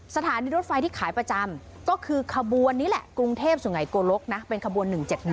สถานีรถไฟที่ขายประจำก็คือขบวนนี้แหละกรุงเทพสุไงโกลกนะเป็นขบวน๑๗๑